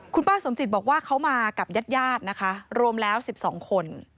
คุณป้าสมจิตบอกว่าเขามากับญาติญาตินะคะรวมแล้ว๑๒คน